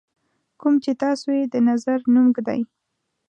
کوم چې تاسو یې د نظر نوم ږدئ.